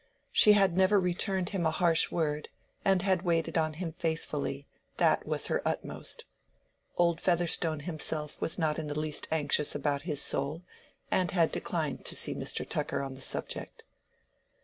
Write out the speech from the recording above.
She had never returned him a harsh word, and had waited on him faithfully: that was her utmost. Old Featherstone himself was not in the least anxious about his soul, and had declined to see Mr. Tucker on the subject.